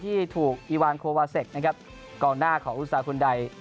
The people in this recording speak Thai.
ที่ถูกอีวานโควาเซ็กต์กล่องหน้าของอุตสาหกุณใด